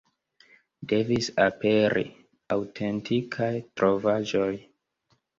Devis aperi aŭtentikaj trovaĵoj.